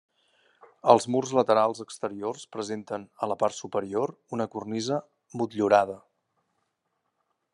Els murs laterals exteriors presenten, a la part superior, una cornisa motllurada.